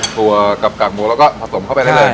ตัวกลับกลับบวกแล้วก็ผสมเข้าไปได้เลย